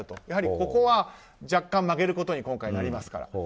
やはりここは若干、負けることになりますから。